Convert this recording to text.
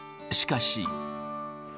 しかし。